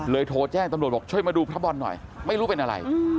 โทรแจ้งตำรวจบอกช่วยมาดูพระบอลหน่อยไม่รู้เป็นอะไร